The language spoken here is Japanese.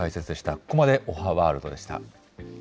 ここまで、おはワールドでした。